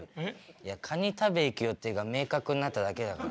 いやカニ食べ行く予定が明確になっただけだから。